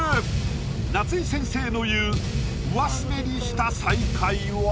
夏井先生の言う上すべりした最下位は？